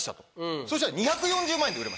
そしたら２４０万円で売れました。